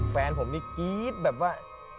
แฟนผมนี่กรี๊ดแบบว่า